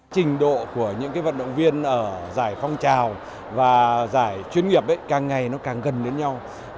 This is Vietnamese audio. trình độ của những vận động viên ở giải phong trào và giải chuyên nghiệp càng ngày nó càng gần đến nhau